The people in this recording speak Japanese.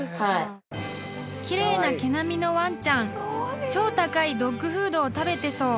［奇麗な毛並みのワンちゃん超高いドッグフードを食べてそう］